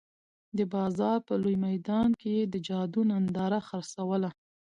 د بازار په لوی میدان کې یې د جادو ننداره خرڅوله.